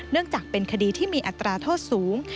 จากเป็นคดีที่มีอัตราโทษสูง